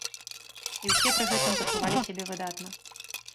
І ўсе пры гэтым пачувалі сябе выдатна.